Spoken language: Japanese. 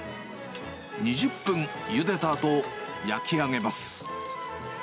２０分ゆでたあと、焼き上げます。